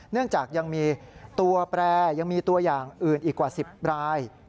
เนื่องจากยังมีตัวแปรยังมีตัวอย่างอื่นอีกกว่า๑๐ราย